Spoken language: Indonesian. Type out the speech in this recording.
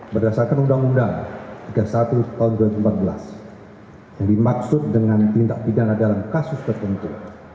berdasarkan undang undang tiga puluh satu tahun dua ribu empat belas yang dimaksud dengan tindak pidana dalam kasus tertentu